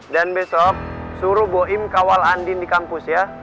dan besok suruh boim kawal andin di kampus ya